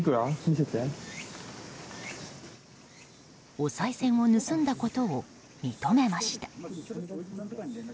おさい銭を盗んだことを認めました。